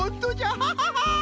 ハハハハ。